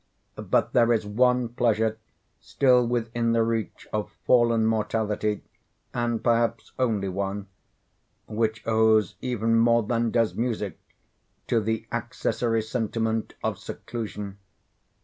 But there is one pleasure still within the reach of fallen mortality and perhaps only one—which owes even more than does music to the accessory sentiment of seclusion.